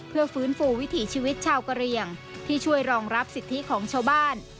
เพื่อฟื้นฟูวิถีชีวิตชาวกะเรียงที่ช่วยรองรับสิทธิของชาวบ้าน